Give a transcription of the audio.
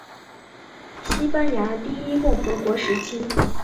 西班牙第一共和国时期。